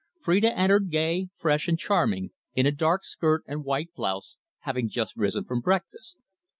Phrida entered, gay, fresh, and charming, in a dark skirt and white blouse, having just risen from breakfast.